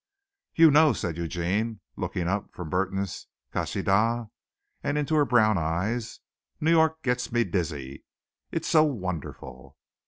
"You know," said Eugene, looking up from Burton's "Kasidah" and into her brown eyes, "New York gets me dizzy. It's so wonderful!"